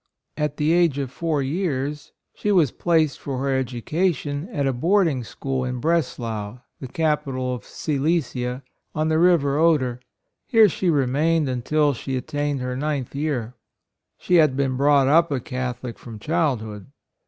At the age of four years, she was placed for her education at a board ing school, in Breslau, the capital of Silesia, on the river Oder. Here she remained until she attained her ninth year. She had been brought up a Catholic from childhood.